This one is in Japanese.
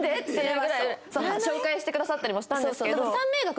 紹介してくださったりもしたんですけど。